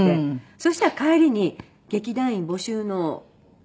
そしたら帰りに劇団員募集のチラシを。